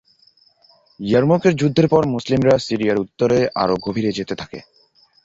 ইয়ারমুকের যুদ্ধের পর মুসলিমরা সিরিয়ার উত্তরে আরো গভীরে যেতে থাকে।